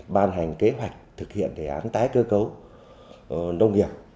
ban hành kế hoạch thực hiện đề án tái cơ cấu nông nghiệp